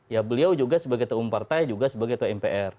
ya beliau juga sebagai ketua umum partai juga sebagai ketua mpr